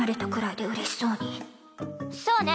そうね。